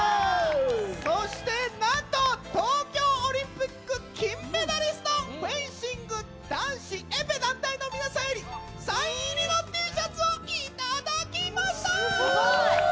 そしてなんと、東京オリンピック金メダリスト、フェンシング男子エペ団体の皆さんよりサイン入りのＴシャツを頂すごい！